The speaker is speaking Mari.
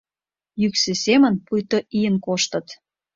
Йӱксӧ семын, пуйто ийын коштыт.